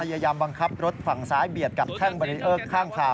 พยายามบังคับรถฝั่งซ้ายเบียดกับแท่งบารีเออร์ข้างทาง